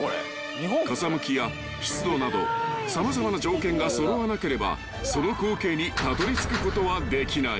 ［風向きや湿度など様々な条件が揃わなければその光景にたどりつくことはできない］